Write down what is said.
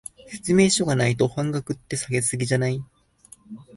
説明書がないと半額って、下げ過ぎじゃない？